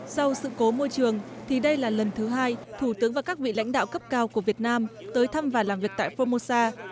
sau sự cố môi trường thì đây là lần thứ hai thủ tướng và các vị lãnh đạo cấp cao của việt nam tới thăm và làm việc tại formosa